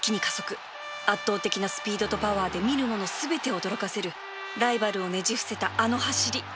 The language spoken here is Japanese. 圧倒的なスピードとパワーで見る者全てを驚かせるライバルをねじ伏せたあの走り